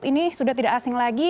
ini sudah tidak asing lagi